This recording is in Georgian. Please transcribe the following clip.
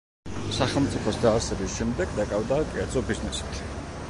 სახელმწიფოს დაარსების შემდეგ დაკავდა კერძო ბიზნესით.